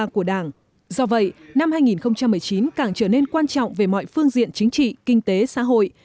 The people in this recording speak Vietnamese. do vậy năm hai nghìn một mươi chín càng trở nên quan trọng về mọi phương diện chính trị kinh tế xã hội